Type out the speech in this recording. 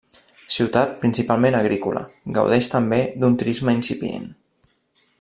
Ciutat principalment agrícola, gaudeix també d'un turisme incipient.